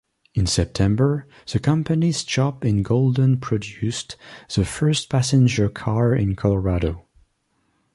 In September, the company's shop in Golden produced the first passenger car in Colorado.